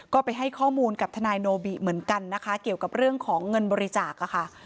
ก็ไปให้ข้อมูลกับทนายโนบิเหมือนกันนะคะเกี่ยวกับเรื่องของเงินบริจาคค่ะ